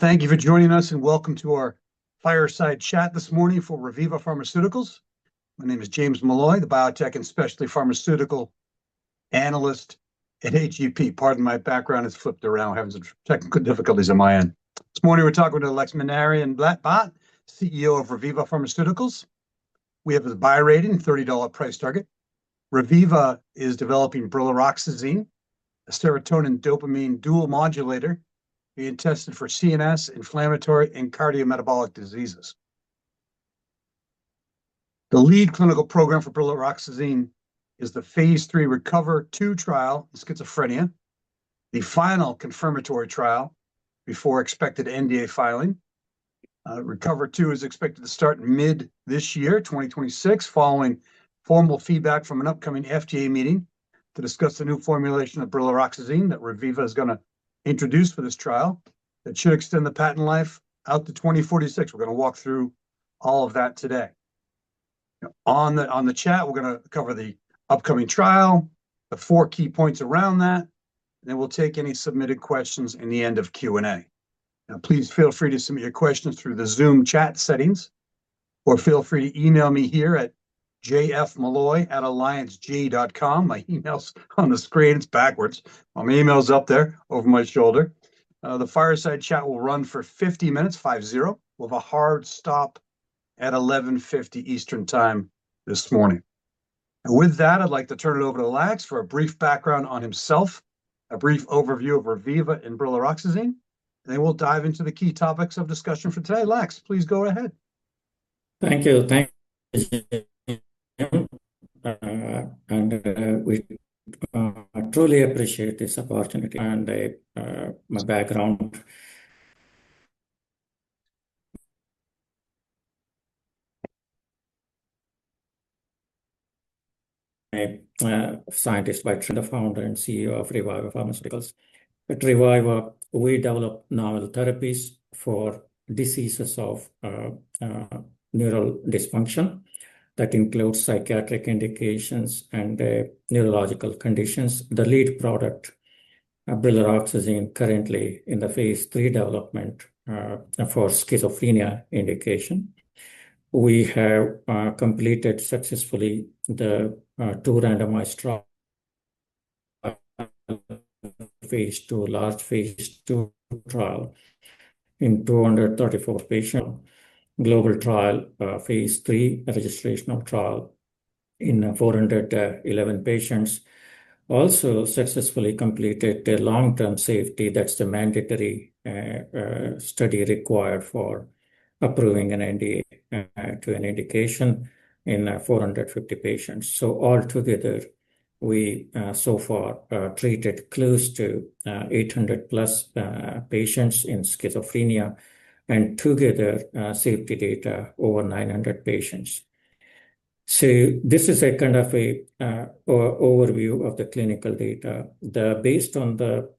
Thank you for joining us and welcome to our fireside chat this morning for Reviva Pharmaceuticals. My name is James Molloy, the Biotech and Specialty Pharmaceutical Analyst at AGP. Pardon my background. It's flipped around. Having some tech difficulties on my end. This morning we're talking to Laxminarayan Bhat, CEO of Reviva Pharmaceuticals. We have a buy rating, $30 price target. Reviva is developing brilaroxazine, a serotonin dopamine dual modulator being tested for CNS, inflammatory, and cardiometabolic diseases. The lead clinical program for brilaroxazine phase III RECOVER-2 trial in schizophrenia, the final confirmatory trial before expected NDA filing. RECOVER-2 is expected to start mid this year, 2026, following formal feedback from an upcoming FDA meeting to discuss the new formulation of brilaroxazine that Reviva is gonna introduce for this trial. That should extend the patent life out to 2046. We're gonna walk through all of that today. On the chat we're gonna cover the upcoming trial, the four key points around that, and then we'll take any submitted questions in the end of Q&A. Now, please feel free to submit your questions through the Zoom chat settings, or feel free to email me here at jfmalloy@allianceg.com. My email's on the screen. It's backwards. My email's up there over my shoulder. The fireside chat will run for 50 minutes. We'll have a hard stop at 11:50 A.M. Eastern Time this morning. With that, I'd like to turn it over to Lax for a brief background on himself, a brief overview of Reviva and brilaroxazine, and then we'll dive into the key topics of discussion for today. Lax, please go ahead. Thank you. Thank you, I am James Molloy and we truly appreciate this opportunity. My background A scientist by trade, the Founder and CEO of Reviva Pharmaceuticals. At Reviva, we develop novel therapies for diseases of neural dysfunction. That includes psychiatric indications and neurological conditions. The lead product, brilaroxazine, currently phase III development for schizophrenia indication. We have completed successfully the two randomized phase II, last phase II trial in 234 patients. phase III, a registrational trial in 411 patients. Also successfully completed the long-term safety that's the mandatory study required for approving an NDA to an indication in 450 patients. Altogether we, so far, treated close to 800+ patients in schizophrenia, and together, safety data over 900 patients. This is a kind of a overview of the clinical data. The, based on the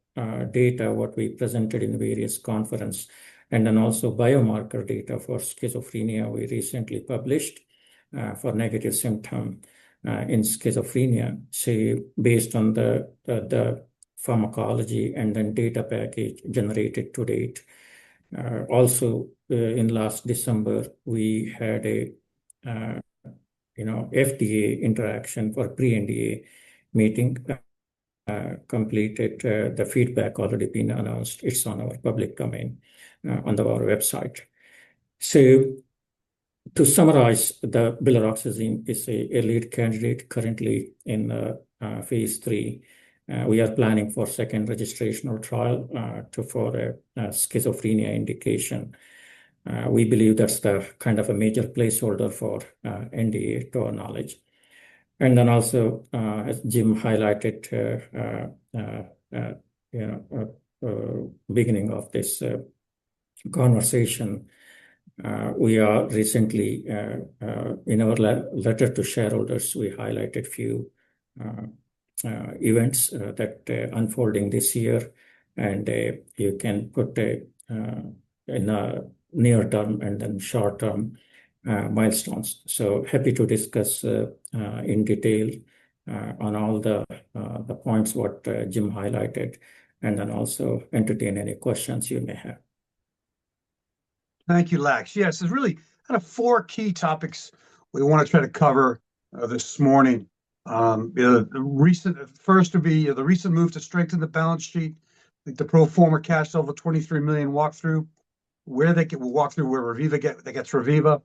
data, what we presented in various conference and then also biomarker data for schizophrenia we recently published, for negative symptom in schizophrenia, say, based on the pharmacology and then data package generated to date. Also, in last December, we had a, you know, FDA interaction for pre-NDA meeting. Completed, the feedback already been announced. It's on our public domain, on the, our website. To summarize, the brilaroxazine is a lead candidate phase III. we are planning for second registrational trial for a schizophrenia indication. We believe that's the, kind of a major placeholder for NDA to our knowledge. As Jim highlighted, you know, beginning of this conversation, we are recently in our letter to shareholders, we highlighted few events that are unfolding this year and you can put the in a near term and then short term milestones. Happy to discuss in detail on all the points what Jim highlighted, and then also entertain any questions you may have. Thank you, Lax. Yes, there's really kind of four key topics we wanna try to cover this morning. First would be the recent move to strengthen the balance sheet with the pro forma cash stock of $23 million walkthrough. We'll walk through where Reviva they get Reviva.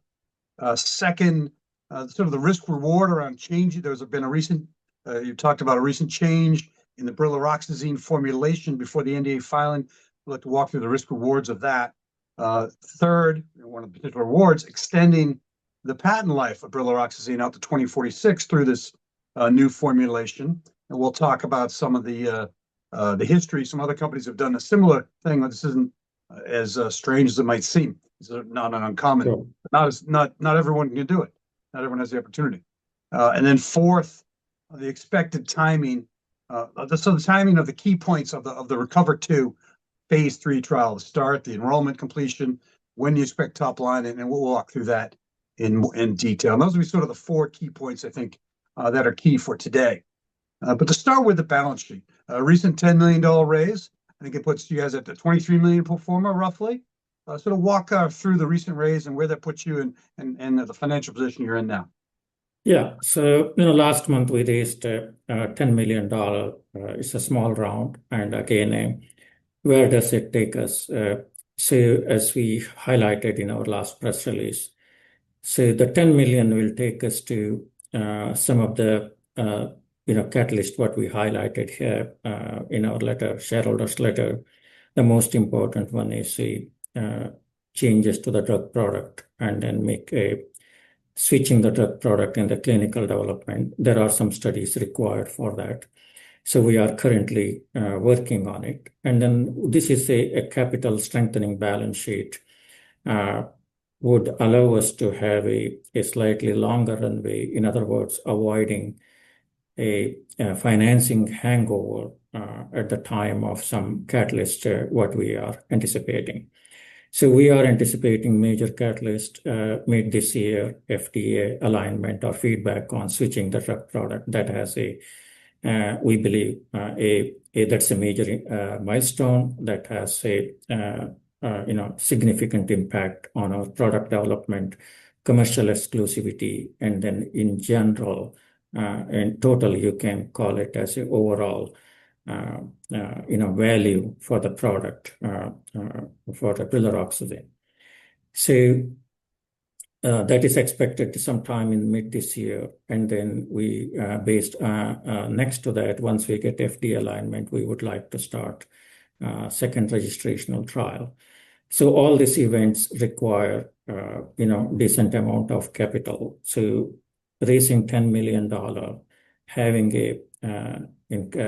Second, sort of the risk-reward around changing. There's been a recent you talked about a recent change in the brilaroxazine formulation before the NDA filing. We'd like to walk through the risk-rewards of that. Third, you know, one of the particular rewards, extending the patent life of brilaroxazine out to 2046 through this new formulation, and we'll talk about some of the history. Some other companies have done a similar thing and this isn't as strange as it might seem. These are not uncommon. Sure. Not everyone can do it. Not everyone has the opportunity. Then fourth, the expected timing. The timing of the key points of phase III trial. the start, the enrollment completion, when do you expect top line, and we'll walk through that in detail. Those will be sort of the four key points I think that are key for today. To start with the balance sheet. A recent $10 million raise, I think it puts you guys up to $23 million pro forma, roughly. Sort of walk through the recent raise and where that puts you in the financial position you're in now. Yeah. You know, last month we raised $10 million. It's a small round. Again, where does it take us? As we highlighted in our last press release, the $10 million will take us to some of the, you know, catalyst what we highlighted here in our letter, shareholders letter. The most important one is the changes to the drug product and then make a switching the drug product in the clinical development. There are some studies required for that, so we are currently working on it. This is a capital strengthening balance sheet would allow us to have a slightly longer runway, in other words, avoiding a financing hangover at the time of some catalyst what we are anticipating. We are anticipating major catalyst mid this year, FDA alignment or feedback on switching the drug product. That has, we believe, a major milestone that has a, you know, significant impact on our product development, commercial exclusivity and then n general, in total you can call it as a overall, you know, value for the product, for the brilaroxazine. That is expected sometime in mid this year. We, based next to that, once we get FDA alignment, we would like to start second registrational trial. All these events require, you know, decent amount of capital. Raising $10 million, having a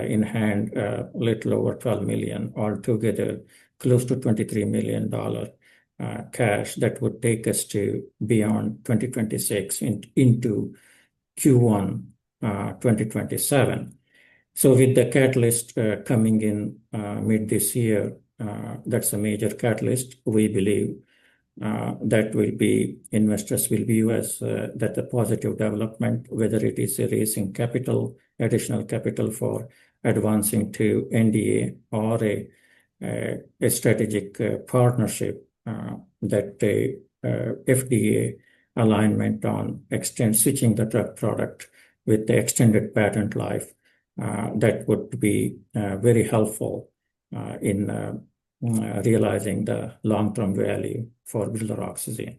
in hand, a little over $12 million, all together close to $23 million cash, that would take us to beyond 2026 into Q1 2027. With the catalyst coming in mid this year, that's a major catalyst we believe, that will be, investors will view as that a positive development, whether it is raising capital, additional capital for advancing to NDA or a strategic partnership, that the FDA alignment on extend switching the drug product with the extended patent life, that would be very helpful in realizing the long-term value for brilaroxazine.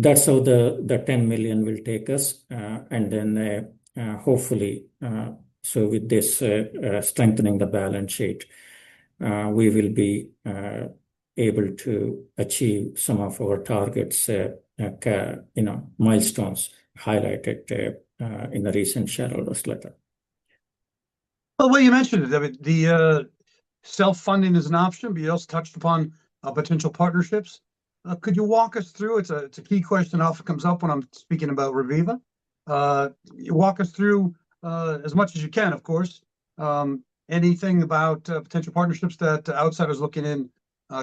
That's how the $10 million will take us. Hopefully, with this strengthening the balance sheet, we will be able to achieve some of our targets, like, you know, milestones highlighted in the recent shareholders letter. Well, you mentioned it. I mean, the self-funding is an option, but you also touched upon potential partnerships. Could you walk us through, it's a key question, often comes up when I'm speaking about Reviva. Walk us through, as much as you can, of course, anything about potential partnerships that outsiders looking in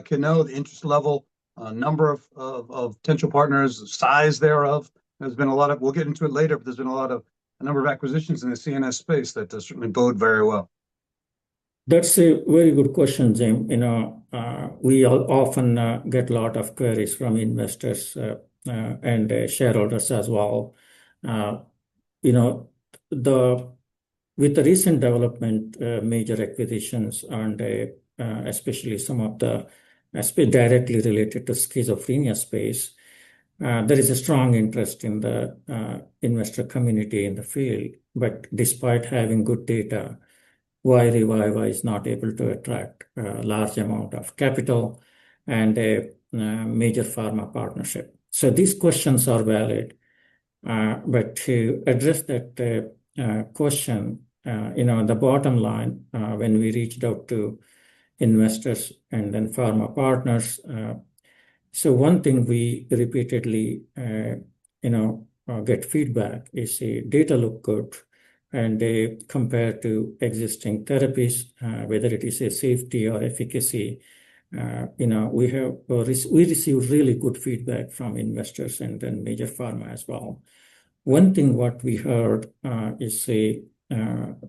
can know. The interest level, number of potential partners, the size thereof. There's been a lot of, we'll get into it later, but there's been a number of acquisitions in the CNS space that does, I mean, bode very well. That's a very good question, Jim. You know, we often get lot of queries from investors and shareholders as well. You know, with the recent development, major acquisitions and especially some of the directly related to schizophrenia space, there is a strong interest in the investor community in the field. Despite having good data, why Reviva is not able to attract large amount of capital and a major pharma partnership? These questions are valid. To address that question, you know, the bottom line, when we reached out to investors and then pharma partners, one thing we repeatedly, you know, get feedback is data look good and they compare to existing therapies, whether it is a safety or efficacy, you know, we receive really good feedback from investors and then major pharma as well. One thing what we heard is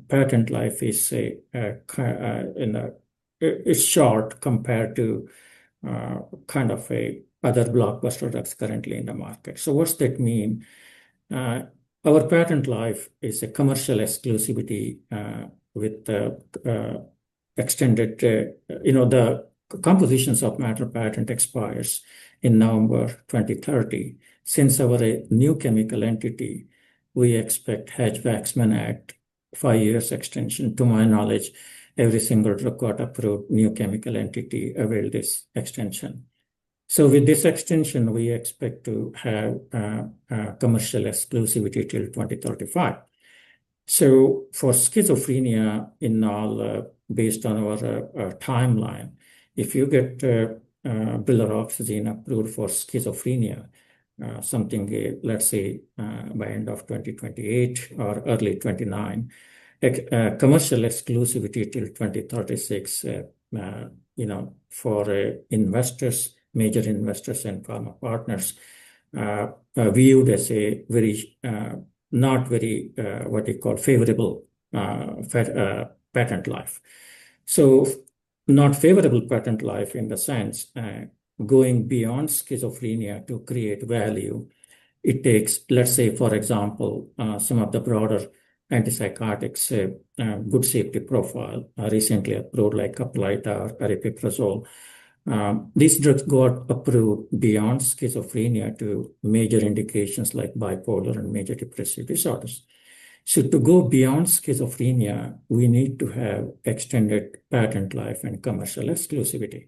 patent life is short compared to kind of a other blockbuster that's currently in the market. What's that mean? Our patent life is a commercial exclusivity with the extended, you know, the compositions of matter patent expires in November 2030. Since we're a new chemical entity, we expect Hatch-Waxman Act five years extension. To my knowledge, every single drug, quarter-approved new chemical entity avail this extension. With this extension, we expect to have commercial exclusivity till 2035. For schizophrenia in all, based on our timeline, if you get brilaroxazine approved for schizophrenia, something, let's say, by end of 2028 or early 2029, commercial exclusivity till 2036, you know, for investors, major investors and pharma partners, viewed as a very, not very, what you call, favorable patent life. Not favorable patent life in the sense, going beyond schizophrenia to create value. It takes, let's say for example, some of the broader antipsychotics, good safety profile, recently approved, like ABILIFY or cariprazine. These drugs got approved beyond schizophrenia to major indications like bipolar and major depressive disorders. To go beyond schizophrenia, we need to have extended patent life and commercial exclusivity.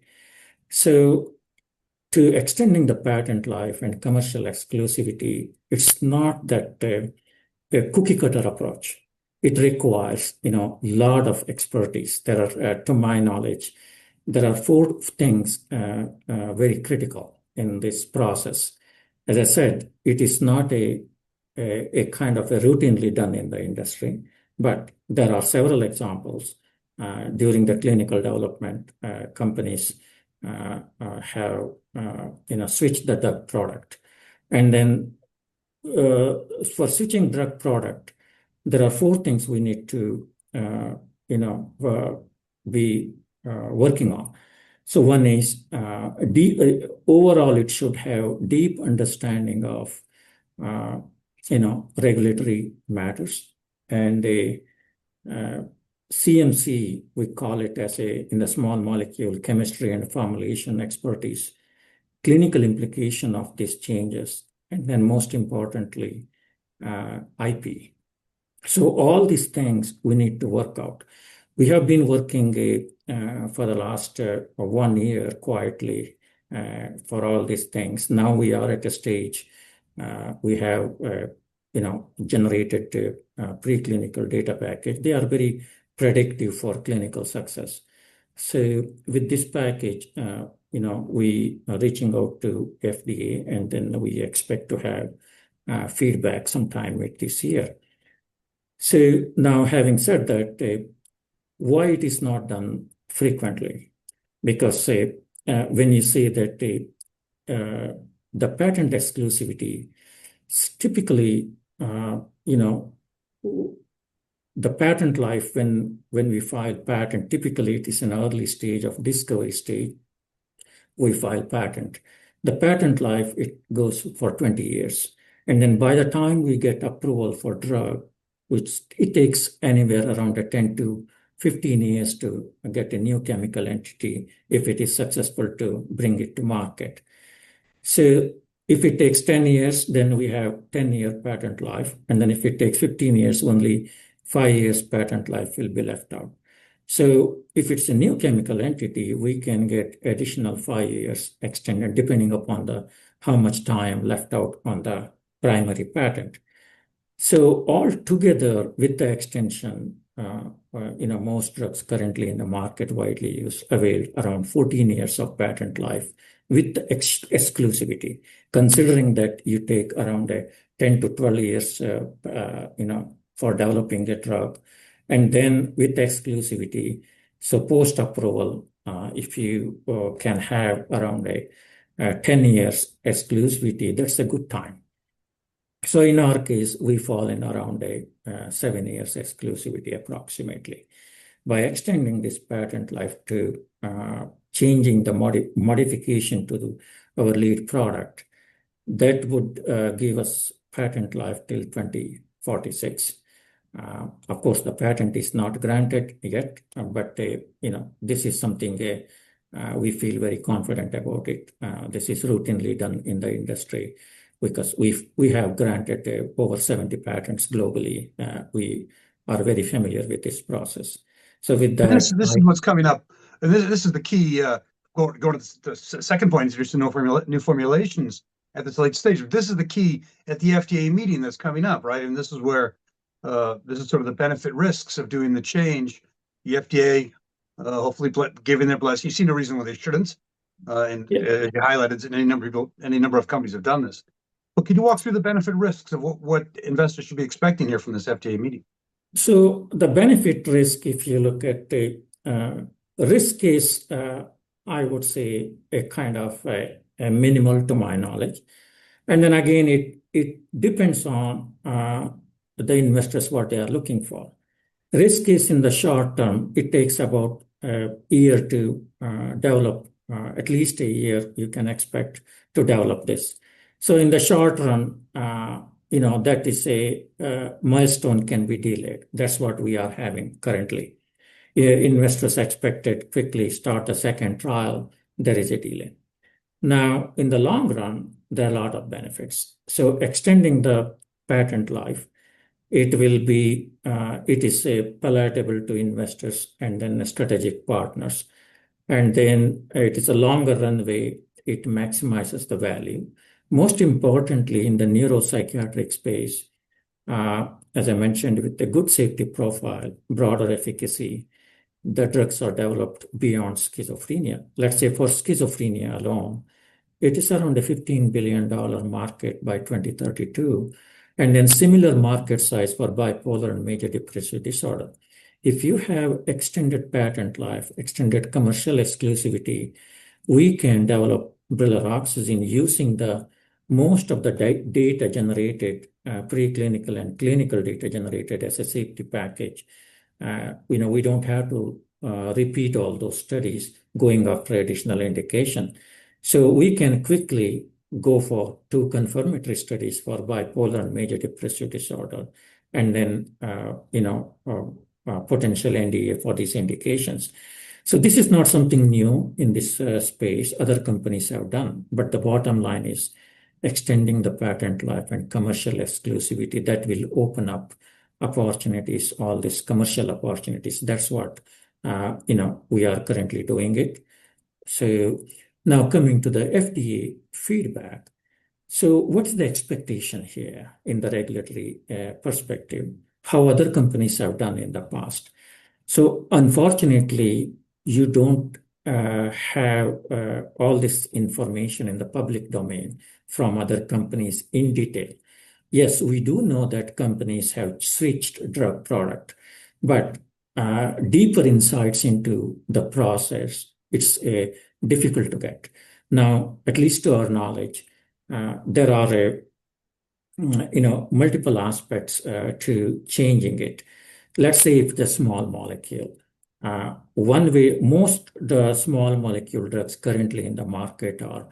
To extending the patent life and commercial exclusivity, it's not that the cookie cutter approach. It requires, you know, lot of expertise. There are, to my knowledge, there are four things very critical in this process. As I said, it is not a kind of routinely done in the industry, but there are several examples. During the clinical development, companies have, you know, switched the drug product. For switching drug product, there are four things we need to, you know, be working on. One is deep, overall, it should have deep understanding of, you know, regulatory matters. CMC, we call it as a, in the small molecule, chemistry and formulation expertise. Clinical implication of these changes and then most importantly, IP. All these things we need to work out. We have been working for the last one year quietly for all these things. Now we are at a stage, we have, you know, generated a preclinical data package. They are very predictive for clinical success. With this package, you know, we are reaching out to FDA, we expect to have feedback sometime this year. Having said that, why it is not done frequently, because say, when you say that the patent exclusivity, it's typically, you know, the patent life when we file patent, typically it is an early stage of discovery stage, we file patent. The patent life, it goes for 20 years. By the time we get approval for drug, which it takes anywhere around 10-15 years to get a new chemical entity, if it is successful, to bring it to market. If it takes 10 years, then we have 10-year patent life, if it takes 15 years, only five-year patent life will be left out. If it's a new chemical entity, we can get additional five years extended, depending upon the, how much time left out on the primary patent. All together with the extension, you know, most drugs currently in the market widely used avail around 14 years of patent life with exclusivity. Considering that you take around 10-12 years, you know, for developing a drug, and then with exclusivity, post-approval, if you can have around a 10 years exclusivity, that's a good time. In our case, we fall in around a seven years exclusivity approximately. By extending this patent life to changing the modification to the, our lead product, that would give us patent life till 2046. Of course, the patent is not granted yet, but, you know, this is something we feel very confident about it. This is routinely done in the industry because we have granted over 70 patents globally. We are very familiar with this process. This is what's coming up. This is the key, going to the second point is there's no new formulations at this late stage. This is the key at the FDA meeting that's coming up, right? This is where this is sort of the benefit risks of doing the change. The FDA, hopefully giving their bless, you see no reason why they shouldn't. Yeah. You higlighted any number of companies have done this. Can you walk through the benefit risks of what investors should be expecting here from this FDA meeting? The benefit risk, if you look at the risk is, I would say a kind of a minimal to my knowledge. Again, it depends on the investors, what they are looking for. Risk is in the short term. It takes about a year to develop. At least a year you can expect to develop this. In the short run, you know, that is a milestone can be delayed. That's what we are having currently. Investors expected quickly start a second trial. There is a delay. Now in the long run, there are a lot of benefits. Extending the patent life, it will be, it is palatable to investors and then the strategic partners, and then it is a longer runway. It maximizes the value. Most importantly, in the neuropsychiatric space, as I mentioned, with the good safety profile, broader efficacy, the drugs are developed beyond schizophrenia. Let's say for schizophrenia alone, it is around a $15 billion market by 2032, and then similar market size for bipolar and major depressive disorder. If you have extended patent life, extended commercial exclusivity, we can develop brilaroxazine using the most of the data generated, pre-clinical and clinical data generated as a safety package. You know, we don't have to repeat all those studies going after additional indication so we can quickly go for two confirmatory studies for bipolar and major depressive disorder, and then, you know, potential NDA for these indications. This is not something new in this space, other companies have done but the bottom line is extending the patent life and commercial exclusivity, that will open up opportunities, all these commercial opportunities. That's what, you know, we are currently doing it. Now coming to the FDA feedback. What is the expectation here in the regulatory perspective, how other companies have done in the past? Unfortunately, you don't have all this information in the public domain from other companies in detail. Yes, we do know that companies have switched drug product, but deeper insights into the process, it's difficult to get. Now, at least to our knowledge, there are, you know, multiple aspects to changing it. Let's say if the small molecule. Most the small molecule drugs currently in the market are,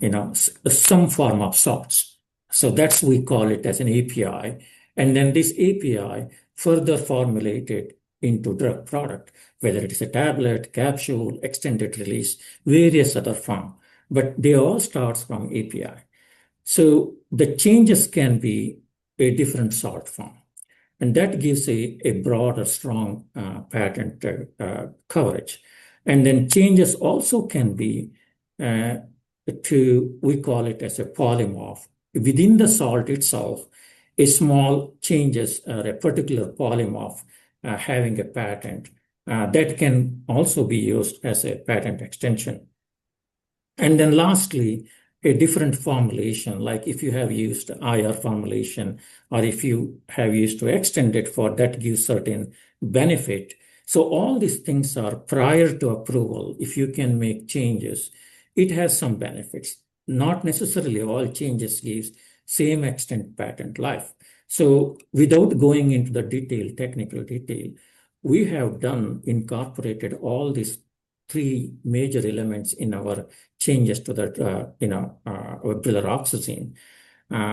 you know, some form of salts so that we call it as an API. This API further formulated into drug product, whether it is a tablet, capsule, extended release, various other form but they all starts from API. The changes can be a different salt form, and that gives a broader, strong patent coverage and then changes also can be, to, we call it as a polymorph. Within the salt itself, a small changes, a particular polymorph having a patent that can also be used as a patent extension. Lastly, a different formulation. Like if you have used IR formulation, or if you have used to extend it, for that gives certain benefit. All these things are prior to approval, if you can make changes, it has some benefits. Not necessarily all changes gives same extent patent life. Without going into the detail, technical detail, we have done, incorporated all these three major elements in our changes to that, you know, our brilaroxazine.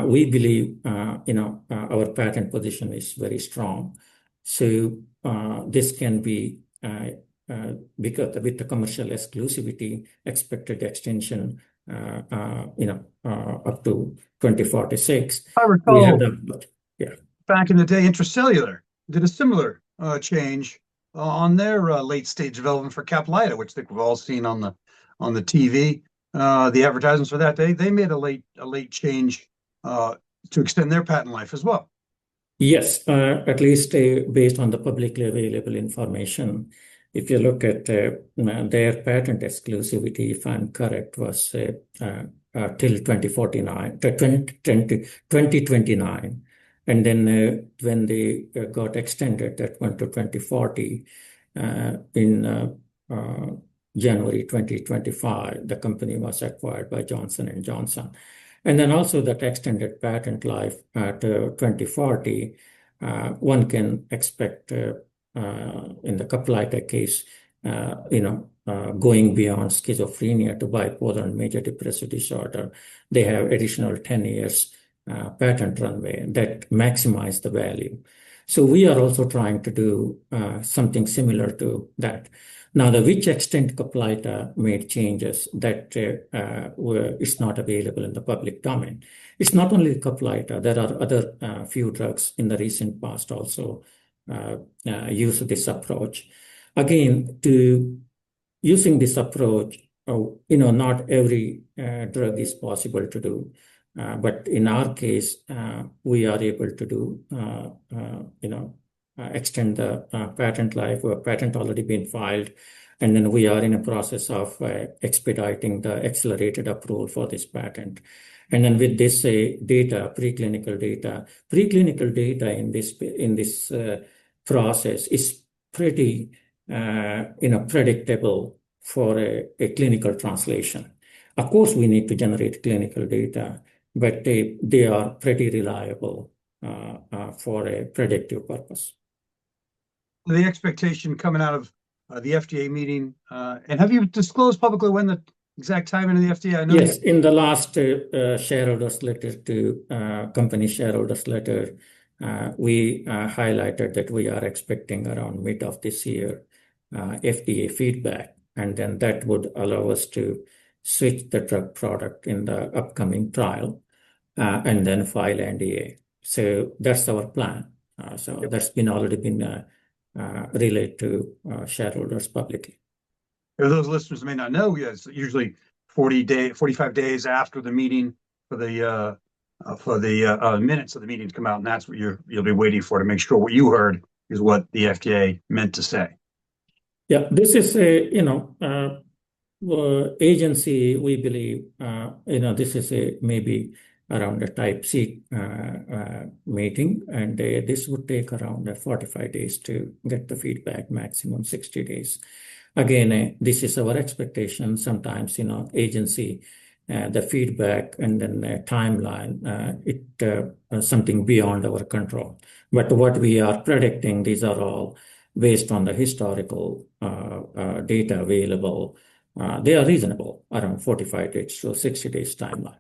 We believe, you know, our patent position is very strong. This can be with the commercial exclusivity expected extension, you know, up to 2046. I recall- Yeah. ...back in the day, Intra-Cellular Therapies did a similar change on their late-stage development for CAPLYTA, which I think we've all seen on the, on the TV, the advertisements for that. They made a late change to extend their patent life as well. Yes. At least, based on the publicly available information. If you look at, you know, their patent exclusivity, if I'm correct, was till 2049, 2029. When they got extended, that went to 2040. In January 2025, the company was acquired by Johnson & Johnson. Also that extended patent life at 2040, one can expect in the CAPLYTA case, you know, going beyond schizophrenia to bipolar and major depressive disorder. They have additional 10 years patent runway that maximize the value. We are also trying to do something similar to that. Now, the which extent CAPLYTA made changes that were, is not available in the public domain. It's not only CAPLYTA. There are other few drugs in the recent past also use this approach. Again, to using this approach, you know, not every drug is possible to do but in our case, we are able to do, you know, extend the patent life. Patent already been filed, and then we are in a process of expediting the accelerated approval for this patent. With this data, pre-clinical data in this process is pretty, you know, predictable for a clinical translation. Of course, we need to generate clinical data, but they are pretty reliable for a predictive purpose. The expectation coming out of the FDA meeting. Have you disclosed publicly when the exact timing of the FDA? Yes. In the last shareholders letter to company shareholders letter, we highlighted that we are expecting around mid of this year FDA feedback, and then that would allow us to switch the drug product in the upcoming trial, and then file NDA so that's our plan and so that's been already been relayed to shareholders publicly. If those listeners may not know, yeah, it's usually 40 days, 45 days after the meeting for the minutes of the meeting to come out, and that's what you're, you'll be waiting for to make sure what you heard is what the FDA meant to say. Yeah. This is a, you know, well, agency, we believe, you know, this is a, maybe around a Type C meeting, and this would take around 45 days to get the feedback, maximum 60 days. Again, this is our expectation. Sometimes, you know, agency, the feedback and then the timeline, it something beyond our control. What we are predicting, these are all based on the historical data available. They are reasonable, around 45 days to a 60 days timeline.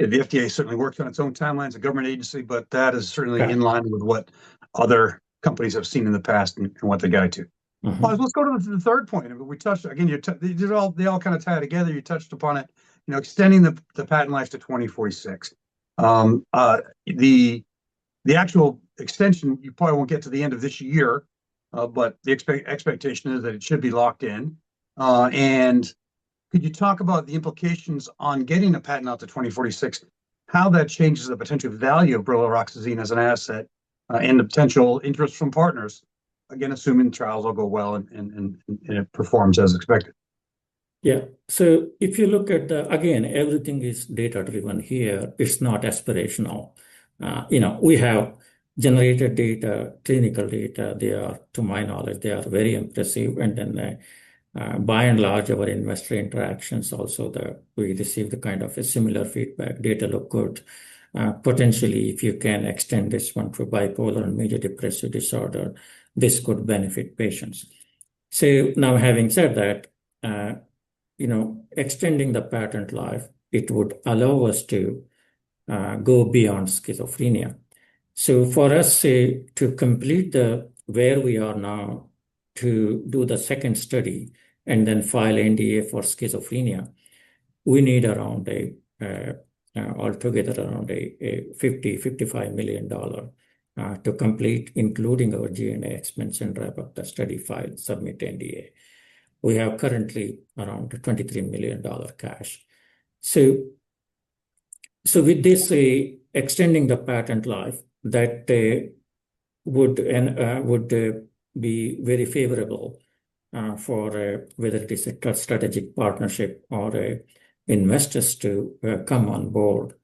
Yeah. Yeah. The FDA certainly works on its own timelines, a government agency. Yeah. ...in line with what other companies have seen in the past and what they guide to. Let's go to the third point. We touched, again, these are all, they all kind of tie together. You touched upon it, you know, extending the patent life to 2046. The actual extension, you probably won't get to the end of this year, but the expectation is that it should be locked in. Could you talk about the implications on getting a patent out to 2046, how that changes the potential value of brilaroxazine as an asset, and the potential interest from partners, again, assuming trials will go well and it performs as expected? If you look at, again, everything is data-driven here. It's not aspirational. You know, we have generated data, clinical data. They are, to my knowledge, they are very impressive. By and large, our investor interactions also, we receive the kind of a similar feedback. Data look good. Potentially, if you can extend this one for bipolar and major depressive disorder, this could benefit patients. Now having said that, you know, extending the patent life, it would allow us to go beyond schizophrenia. For us, say, to complete the where we are now, to do the second study and then file NDA for schizophrenia, we need altogether around $50 million-$55 million to complete, including our G&A expense and wrap up the study file, submit NDA. We have currently around $23 million cash. With this, extending the patent life, that would and would be very favorable for whether it is a strategic partnership or a investors to come on board.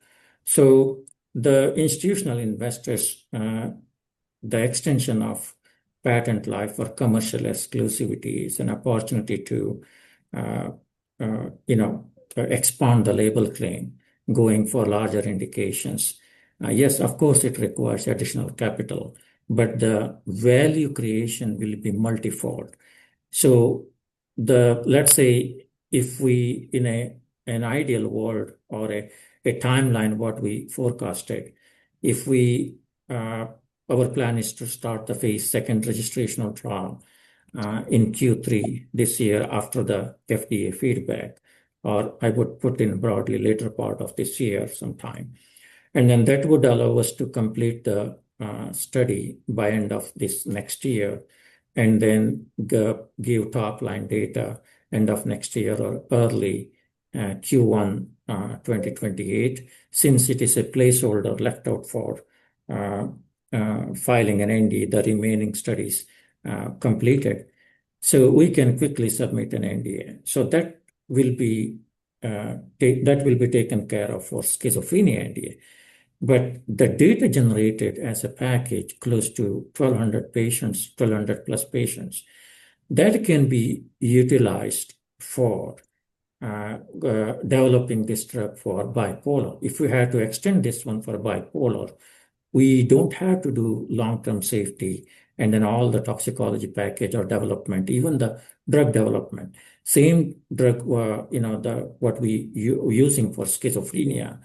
The institutional investors, the extension of patent life for commercial exclusivity is an opportunity to, you know, expand the label claim, going for larger indications. Yes, of course it requires additional capital, but the value creation will be multifold. The, let's say if we in an ideal world or a timeline what we forecasted, if we, our plan is to start the phase II registrational trial in Q3 this year after the FDA feedback, or I would put in broadly later part of this year sometime. That would allow us to complete the study by end of this next year, and then give top-line data end of next year or early Q1 2028. It is a placeholder left out for filing an NDA, the remaining studies completed. We can quickly submit an NDA so that will be taken care of for schizophrenia NDA. The data generated as a package, close to 1,200 patients, 1,200+ patients, that can be utilized for developing this drug for bipolar. If we had to extend this one for bipolar, we don't have to do long-term safety and then all the toxicology package or development, even the drug development. Same drug were, you know, the, what we using for schizophrenia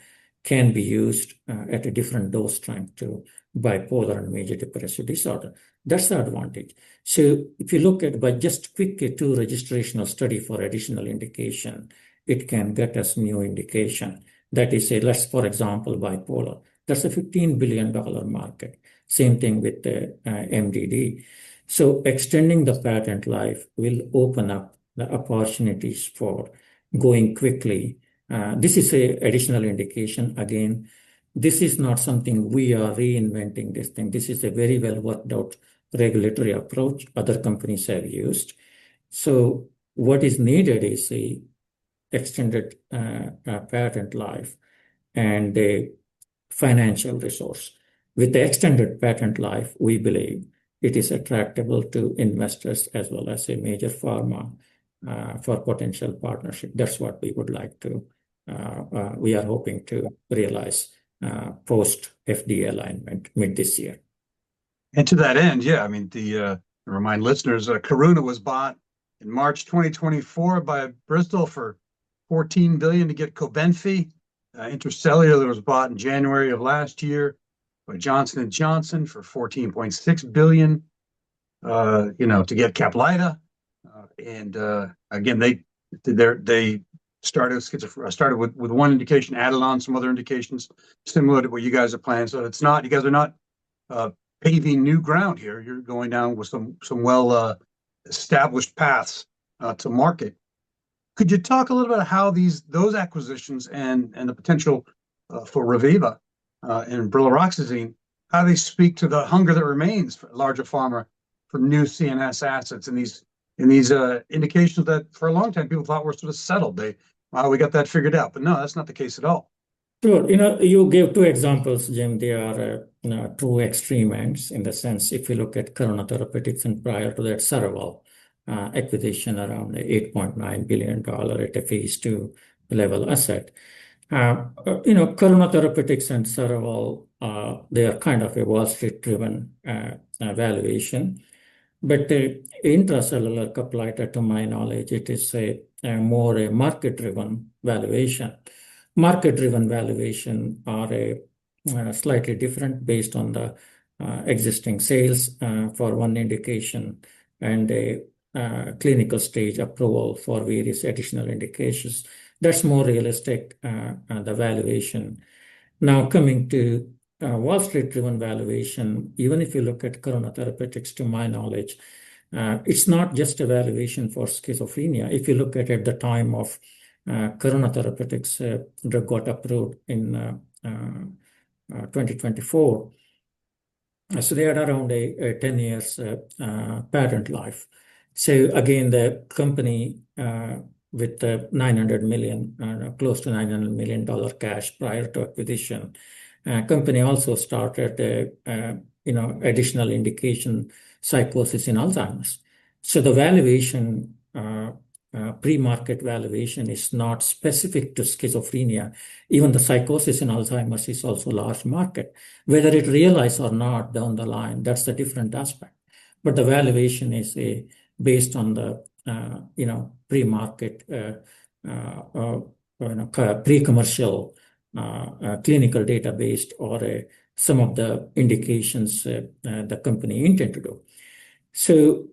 can be used at a different dose trying to bipolar and major depressive disorder. That's the advantage. If you look at by just quickly do registrational study for additional indication, it can get us new indication. That is, let's, for example, bipolar. That's a $15 billion market. Same thing with the MDD. Extending the patent life will open up the opportunities for going quickly. This is a additional indication. Again, this is not something we are reinventing this thing. This is a very well-worked-out regulatory approach other companies have used. What is needed is a extended patent life and a financial resource. With the extended patent life, we believe it is attractable to investors as well as a major pharma for potential partnership. That's what we would like to, we are hoping to realize, post-FDA alignment mid this year. To that end, remind listeners, Karuna was bought in March 2024 by Bristol for $14 billion to get COBENFY. Intra-Cellular was bought in January 2023 by Johnson & Johnson for $14.6 billion to get CAPLYTA. Again, they started with 1 indication, added on some other indications, similar to what you guys are planning. It's not, you guys are not paving new ground here. You're going down with some well-established paths to market. Could you talk a little about how these, those acquisitions and the potential for Reviva and brilaroxazine, how they speak to the hunger that remains for larger pharma for new CNS assets in these indications that for a long time people thought were sort of settled. They, "Oh, we got that figured out." No, that's not the case at all. Sure. You know, you gave two examples, Jim. They are, you know, two extreme ends in the sense, if you look at Karuna Therapeutics and prior to that Cerevel acquisition around a $8.9 billion at a phase II level asset. You know, Karuna Therapeutics and Cerevel, they are kind of a Wall Street driven valuation. The Intra-Cellular CAPLYTA to my knowledge, it is a more a market-driven valuation. Market-driven valuation are slightly different based on the existing sales for one indication, and a clinical stage approval for various additional indications. That's more realistic the valuation. Now, coming to Wall Street driven valuation, even if you look at Karuna Therapeutics to my knowledge, it's not just a valuation for schizophrenia. If you look at the time of Karuna Therapeutics drug got approved in 2024, so they had around a 10 years patent life. Again, the company with the $900 million, close to $900 million cash prior to acquisition. Company also started a, you know, additional indication, psychosis in Alzheimer's. The valuation, pre-market valuation is not specific to schizophrenia. Even the psychosis in Alzheimer's is also large market. Whether it realize or not down the line, that's a different aspect. The valuation is based on the, you know, pre-market or pre-commercial clinical data based or some of the indications the company intend to do.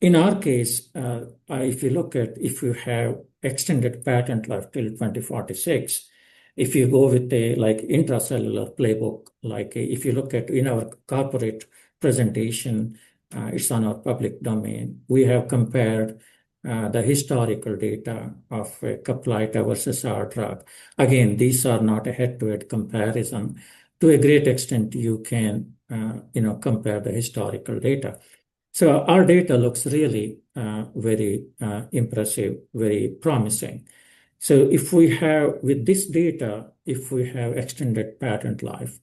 In our case, if you look at, if you have extended patent life till 2046, if you go with a, like, Intra-Cellular Therapies playbook, like, if you look at in our corporate presentation, it's on our public domain. We have compared the historical data of CAPLYTA versus our drug. Again, these are not a head-to-head comparison. To a great extent you can, you know, compare the historical data. Our data looks really very impressive, very promising. If we have, with this data, if we have extended patent life,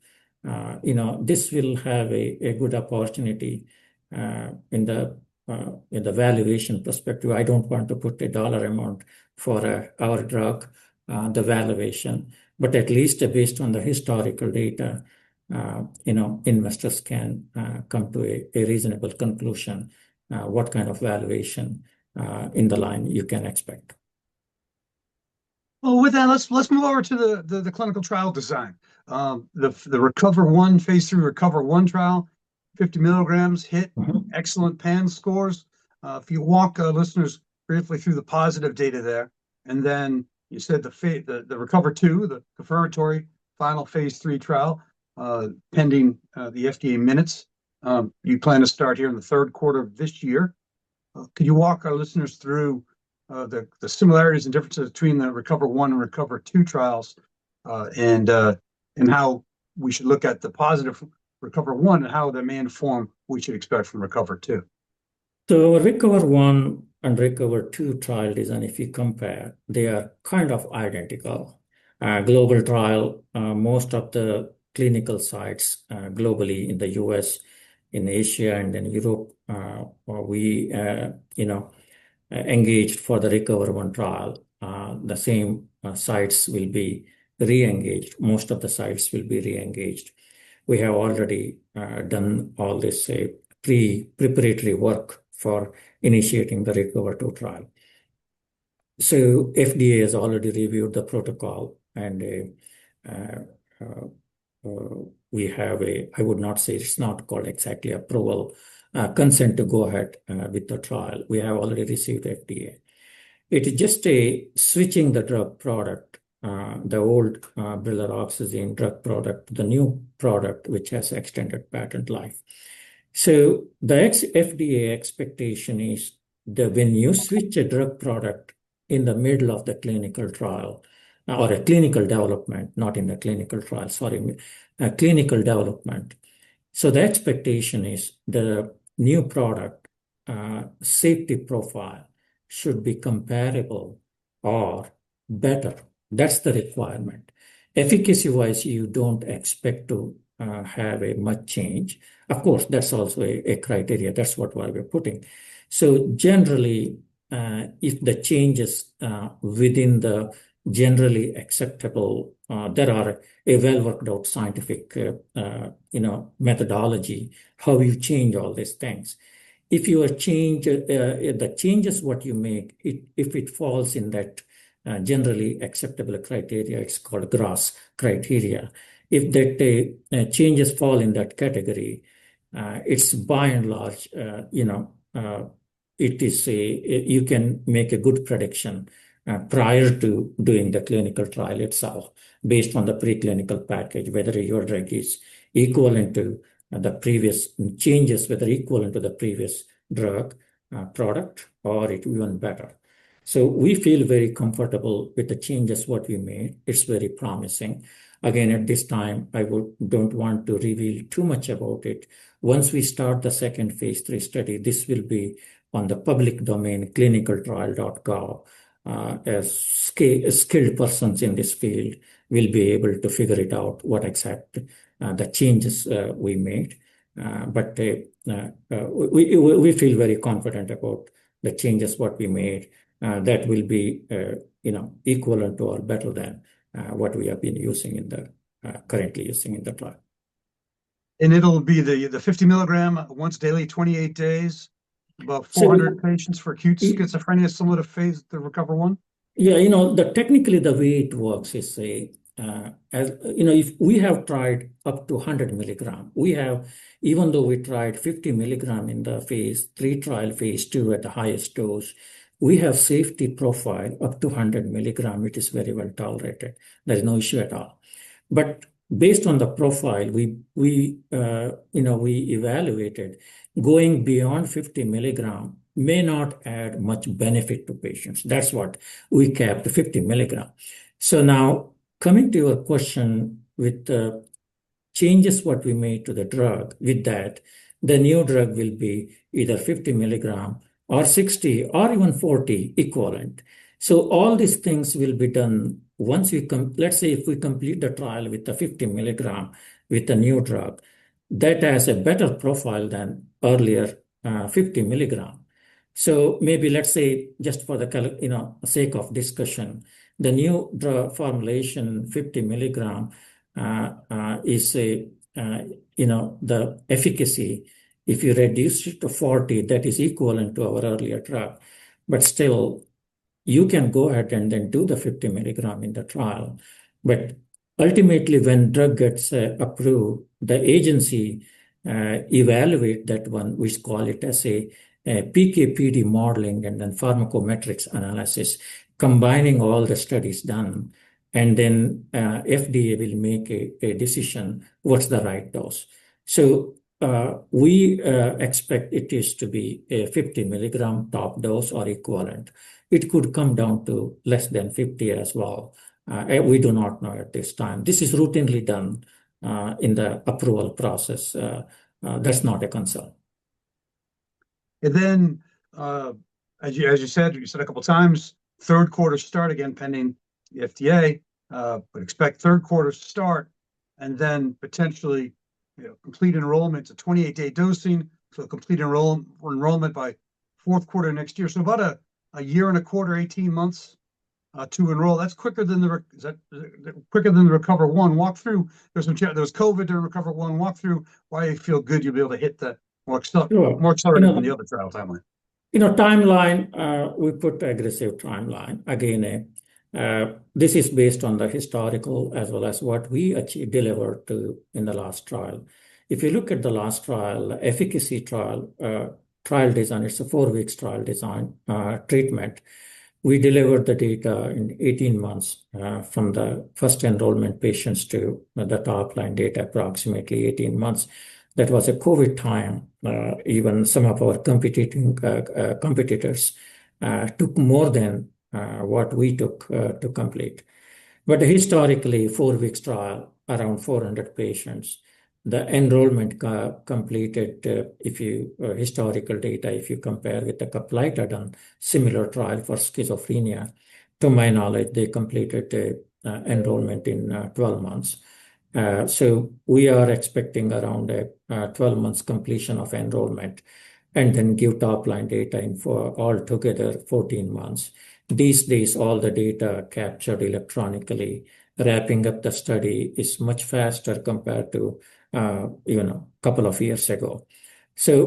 you know, this will have a good opportunity in the valuation perspective. I don't want to put a dollar amount for our drug, the valuation. At least based on the historical data, you know, investors can come to a reasonable conclusion, what kind of valuation in the line you can expect. Well, with that, let's move over to the clinical trial design. phase III RECOVER-1 trial, 50 mg hit excellent PANSS scores. If you walk our listeners briefly through the positive data there, and then you said the RECOVER-2, the phase III trial, pending the FDA minutes, you plan to start here in the third quarter of this year. Can you walk our listeners through the similarities and differences between the RECOVER-1 and RECOVER-2 trials, and how we should look at the positive RECOVER-1 and how that may inform what we should expect from RECOVER-2? The RECOVER-1 and RECOVER-2 trial design, if you compare, they are kind of identical. Global trial, most of the clinical sites, globally in the U.S., in Asia, and in Europe, we, you know, engaged for the RECOVER-1 trial. The same sites will be re-engaged. Most of the sites will be re-engaged. We have already done all the preparatory work for initiating the RECOVER-2 trial. FDA has already reviewed the protocol and we have a, I would not say, it's not called exactly approval, consent to go ahead with the trial. We have already received FDA. It is just a switching the drug product, the old brilaroxazine drug product, the new product, which has extended patent life. The ex-FDA expectation is that when you switch a drug product in the middle of the clinical trial, or a clinical development, not in the clinical trial, sorry, clinical development. The expectation is the new product, safety profile should be comparable or better. That's the requirement. Efficacy-wise, you don't expect to have a much change. Of course, that's also a criteria. That's what we're putting. Generally, if the change is within the generally acceptable, there are a well worked out scientific, you know, methodology how you change all these things. If you are change, the changes what you make, it, if it falls in that, generally acceptable criteria, it's called GRAS criteria. If that change falls in that category, it's by and large, you know, it is a, you can make a good prediction prior to doing the clinical trial itself based on the preclinical package, whether your drug is equivalent to the previous changes, whether equivalent to the previous drug product or it even better. We feel very comfortable with the changes we made. It's very promising. Again, at this time, I don't want to reveal too much about it. Once we start phase III study, this will be on the public domain ClinicalTrials.gov. As skilled persons in this field will be able to figure out exactly what the changes we made. We feel very confident about the changes what we made, that will be, you know, equivalent or better than what we have been using in the, currently using in the trial. It'll be the 50 mg once daily, 28 days. About 400 patients for acute schizophrenia, similar to the RECOVER-1. You know, technically the way it works is say, as you know, if we have tried up to 100 mg. We have, even though we tried 50 mg phase III trial, phase II at the highest dose, we have safety profile up to 100 mg. It is very-well tolerated. There is no issue at all. Based on the profile, we, you know, we evaluated going beyond 50 mg may not add much benefit to patients. That is what we kept 50 mg. Now coming to your question with the changes what we made to the drug, with that, the new drug will be either 50 mg or 60 mg or even 40 mg equivalent. All these things will be done once we let's say if we complete the trial with the 50 mg with the new drug, that has a better profile than earlier, 50 mg. Maybe let's say just for the you know, sake of discussion, the new drug formulation, 50 mg is you know, the efficacy, if you reduce it to 40 mg, that is equivalent to our earlier drug. Still, you can go ahead and then do the 50 mg in the trial. Ultimately, when drug gets approved, the agency evaluate that one. We call it as a PK/PD modeling and then pharmacometrics analysis combining all the studies done and then, FDA will make a decision what's the right dose. We expect it is to be a 50 mg top dose or equivalent. It could come down to less than 50 as well. We do not know at this time. This is routinely done in the approval process. That's not a concern. As you, as you said, you said a couple times, third quarter start again pending the FDA. Expect third quarter start potentially, you know, complete enrollment. It's a 28-day dosing, complete enrollment by fourth quarter next year. About a year and a quarter, 18 months to enroll. That's quicker than the RECOVER-1 walk-through. There was some COVID in RECOVER-1 walk-through. Why you feel good you'll be able to hit the more accelerated than the other trial timeline? You know, timeline, we put aggressive timeline. This is based on the historical as well as what we achieve, delivered to in the last trial. If you look at the last trial, efficacy trial design, it's a four weeks trial design, treatment. We delivered the data in 18 months from the first enrollment patients to the top line data approximately 18 months. That was a COVID time. Even some of our competing competitors took more than what we took to complete. Historically, four weeks trial, around 400 patients. The enrollment completed, if you historical data, if you compare with the KarXT, similar trial for schizophrenia. To my knowledge, they completed the enrollment in 12 months. We are expecting around 12 months completion of enrollment, and then give top line data in for altogether 14 months. These days, all the data captured electronically. Wrapping up the study is much faster compared to, you know, a couple of years ago.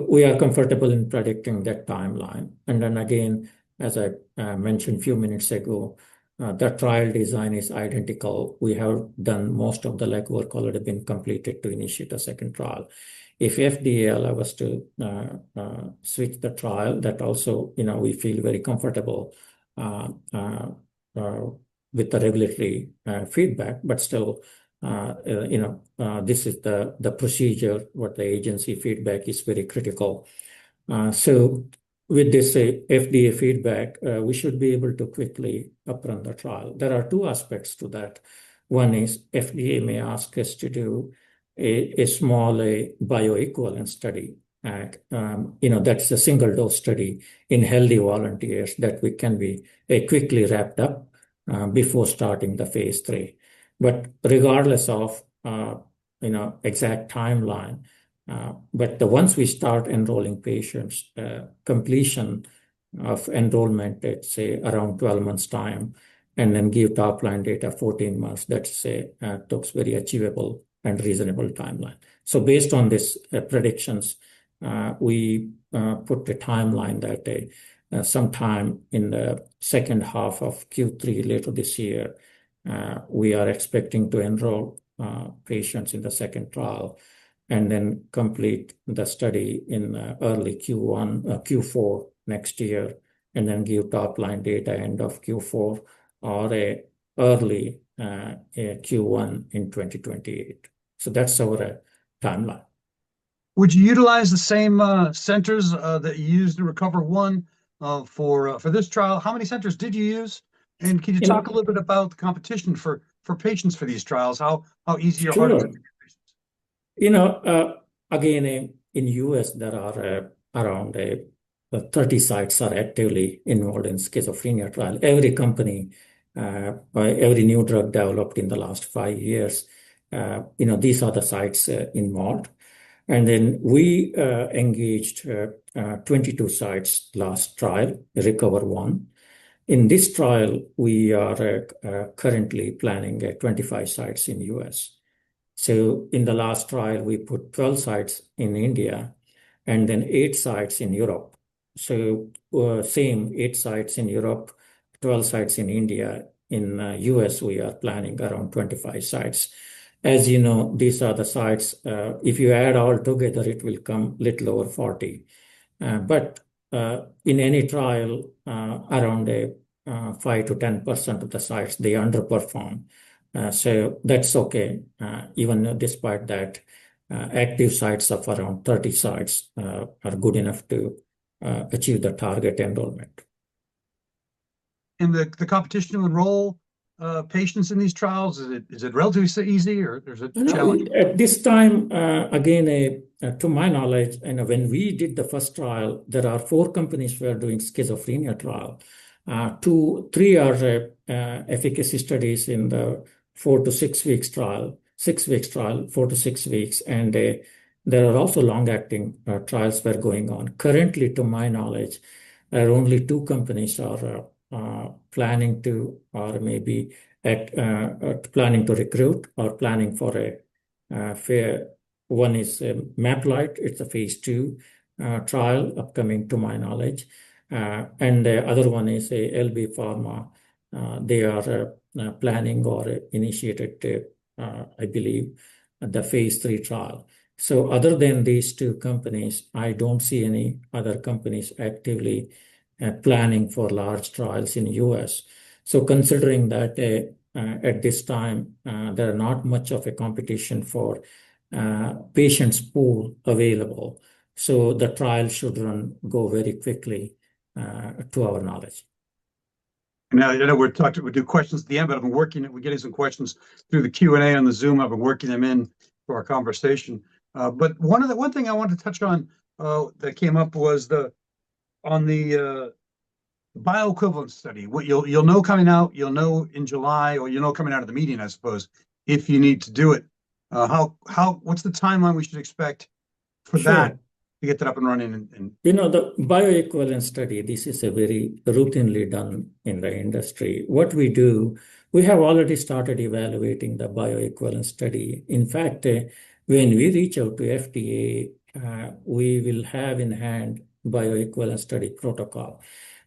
We are comfortable in predicting that timeline. Again, as I mentioned few minutes ago, the trial design is identical. We have done most of the legwork already been completed to initiate a second trial. If FDA allow us to switch the trial, that also, you know, we feel very comfortable with the regulatory feedback, but still, you know, this is the procedure what the agency feedback is very critical. With this FDA feedback, we should be able to quickly upfront the trial. There are two aspects to that. One is FDA may ask us to do a small bioequivalent study at, you know, that's a single dose study in healthy volunteers that we can be quickly wrapped up before phase III. regardless of, you know, exact timeline, once we start enrolling patients, completion of enrollment at, say, around 12 months time, and then give top line data 14 months, let's say, looks very achievable and reasonable timeline. Based on this, predictions, we put the timeline that sometime in the second half of Q3 later this year, we are expecting to enroll patients in the second trial, and then complete the study in Q4 next year, and then give top-line data end of Q4 or early Q1 in 2028 so that's our timeline. Would you utilize the same centers that you used in RECOVER-1 for this trial? How many centers did you use? Can you talk a little bit about the competition for patients for these trials? How easy or hard is it to get patients? Sure. You know, again, in the U.S. there are around 30 sites actively enrolled in schizophrenia trial. Every company, by every new drug developed in the last five years, you know, these are the sites involved and then we engaged 22 sites last trial, RECOVER-1. In this trial, we are currently planning 25 sites in the U.S. In the last trial, we put 12 sites in India, and then eight sites in Europe. We have same, eight sites in Europe, 12 sites in India. In the U.S., we are planning around 25 sites. As you know, these are the sites. If you add all together, it will come little over 40. In any trial, around 5%-10% of the sites, they underperform. That's okay. Even despite that, active sites of around 30 sites are good enough to achieve the target enrollment. The competition to enroll patients in these trials, is it relatively easy or there's a challenge? No, no. At this time, again, to my knowledge, you know, when we did the first trial, there are four companies who are doing schizophrenia trial. Two, three are efficacy studies in the four to six weeks trial, six weeks trial, four to six weeks, and there are also long-acting trials were going on. Currently, to my knowledge, there are only two companies are planning to or maybe at planning to recruit or planning for a fair. One is MapLight. It's a phase II trial upcoming to my knowledge. The other one is a LB Pharmaceuticals. They are planning or initiated a, phase III trial. other than these two companies, I don't see any other companies actively planning for large trials in U.S. Considering that, at this time, there are not much of a competition for patients pool available. The trial should run, go very quickly, to our knowledge. Now, you know, we'll talk, we'll do questions at the end, but I've been working, we're getting some questions through the Q&A on the Zoom. I've been working them in for our conversation. One of the, one thing I wanted to touch on, that came up was on the, bioequivalence study. What you'll know coming out, you'll know in July or you'll know coming out of the meeting, I suppose, if you need to do it. How, how, what's the timeline we should expect for that- Sure. ...to get that up and running and? You know, the bioequivalence study, this is a very routinely done in the industry. What we do, we have already started evaluating the bioequivalence study. In fact, when we reach out to FDA, we will have-in-hand bioequivalence study protocol.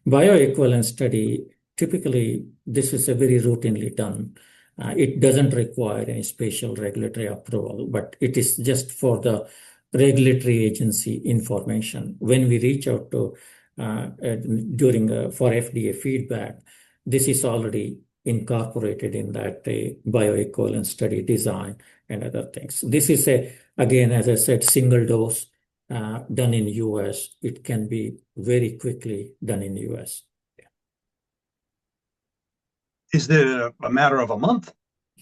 Bioequivalence study, typically, this is a very routinely done. It doesn't require any special regulatory approval, but it is just for the regulatory agency information. When we reach out to, during, for FDA feedback, this is already incorporated in that bioequivalence study design and other things. This is, again, as I said, single-dose, done in the U.S. It can be very quickly done in the U.S. Yeah. Is it a matter of a month?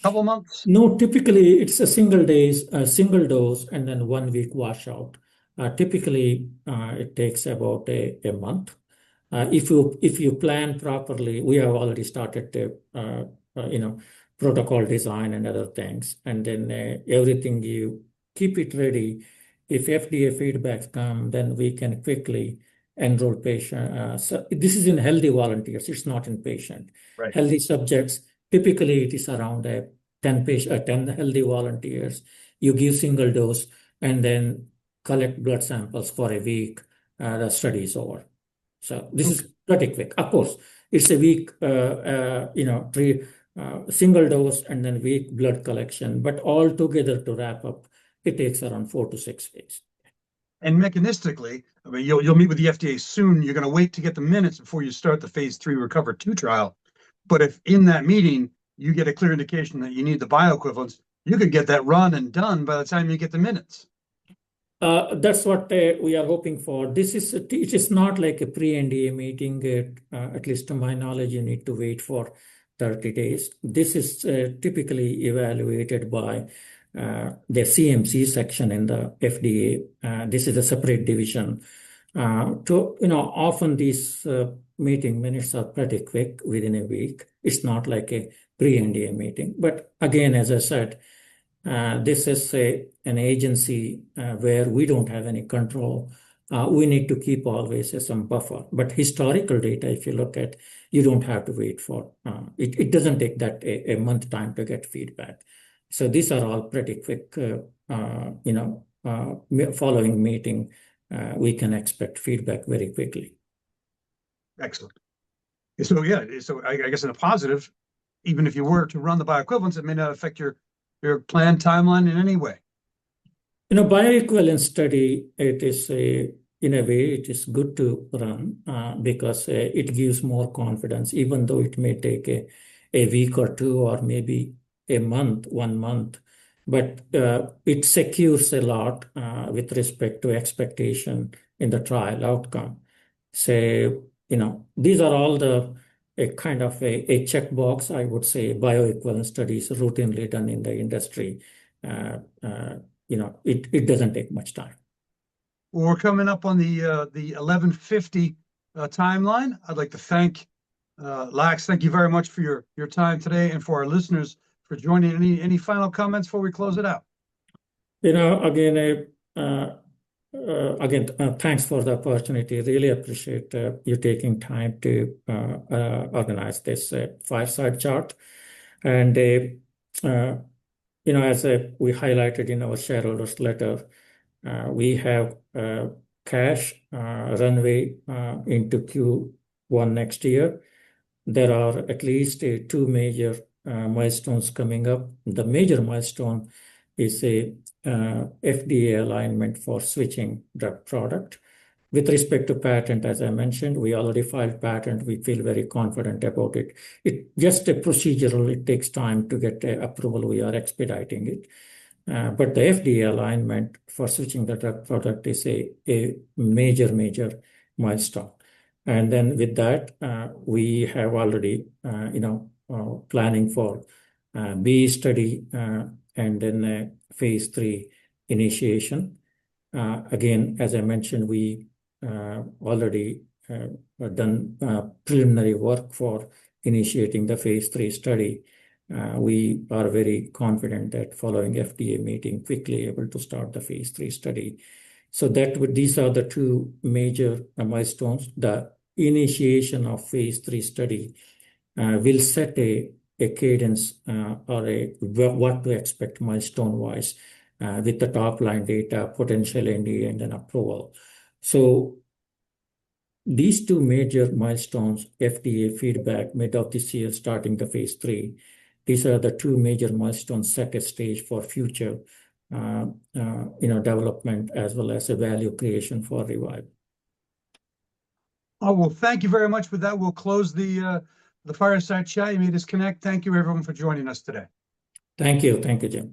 Couple months? No, typically it's a single days, a single dose, and then one week wash out. Typically, it takes about one month. If you plan properly, we have already started to, you know, protocol design and other things, and then everything you keep it ready. If FDA feedback come, then we can quickly enroll patient. This is in healthy volunteers, it's not in patient. Right. Healthy subjects, typically it is around 10 healthy volunteers. You give single dose and then collect blood samples for a week. The study is over. This is pretty quick. Of course, it's a week, you know, pre, single dose and then week blood collection. All together to wrap up, it takes around four to six weeks. Mechanistically, I mean, you'll meet with the FDA soon. You're gonna wait to get the minutes before you phase iii RECOVER-2 trial. If in that meeting you get a clear indication that you need the bioequivalence, you could get that run and done by the time you get the minutes. That's what we are hoping for. This is, it is not like a pre-NDA meeting that, at least to my knowledge, you need to wait for 30 days. This is typically evaluated by the CMC section in the FDA. This is a separate division. To, you know, often these meeting minutes are pretty quick, within a week. It's not like a pre-NDA meeting. Again, as I said, this is an agency, where we don't have any control. We need to keep always some buffer. Historical data, if you look at, you don't have to wait for. It doesn't take that, a month time to get feedback so these are all pretty quick, you know, following meeting, we can expect feedback very quickly. Excellent. I guess in a positive, even if you were to run the bioequivalence, it may not affect your planned timeline in any way. In a bioequivalence study, it is, in a way, it is good to run, because it gives more confidence, even though it may take a week or two or maybe one month but it secures a lot with respect to expectation in the trial outcome. Say, you know, these are all the kind of a checkbox, I would say, bioequivalence studies routinely done in the industry. You know, it doesn't take much time. Well, we're coming up on the 11:50 timeline. I'd like to thank Lax. Thank you very much for your time today, and for our listeners for joining. Any final comments before we close it out? You know, again, I, again, thanks for the opportunity. Really appreciate you taking time to organize this fireside chat. You know, as we highlighted in our shareholders letter, we have cash runway into Q1 next year. There are at least two major milestones coming up. The major milestone is a FDA alignment for switching the product. With respect to patent, as I mentioned, we already filed patent. We feel very confident about it. It just a procedural. It takes time to get approval. We are expediting it but the FDA alignment for switching the drug product is a major milestone. With that, we have already, you know, planning for BE study and then phase III initiation. Again, as I mentioned, we already have done preliminary work for phase III study. We are very confident that following FDA meeting, quickly able to phase III study so with that these are the two major milestones. The initiation of phase III study will set a cadence or what to expect milestone-wise with the top-line data, potential NDA, and then approval. These two major milestones, FDA feedback, mid of this year phase III, these are the two major milestones, second stage for future, you know, development as well as the value creation for Reviva. Well, thank you very much. With that, we'll close the fireside chat. You may disconnect. Thank you everyone for joining us today. Thank you. Thank you, Jim.